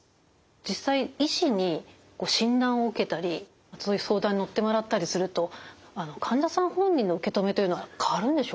実際医師に診断を受けたりそういう相談に乗ってもらったりすると患者さん本人の受け止めというのは変わるんでしょうか？